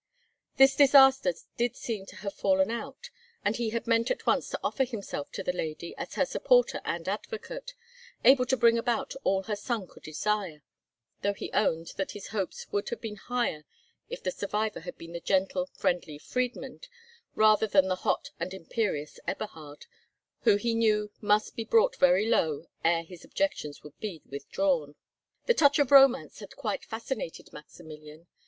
This disaster did seem to have fallen out, and he had meant at once to offer himself to the lady as her supporter and advocate, able to bring about all her son could desire; though he owned that his hopes would have been higher if the survivor had been the gentle, friendly Friedmund, rather than the hot and imperious Eberhard, who he knew must be brought very low ere his objections would be withdrawn. The touch of romance had quite fascinated Maximilian.